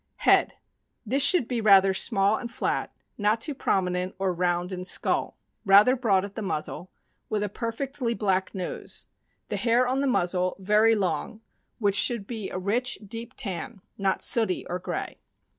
Head. — This should be rather small and flat, not too prominent or round in skull, rather broad at the muzzle, with a perfectly black nose; the hair on the muzzle very long, which should be a rich, deep tan, not sooty or gray.